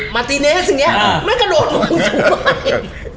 มาติเนสมันกันโหดมงสูงเลย